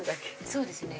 そうですね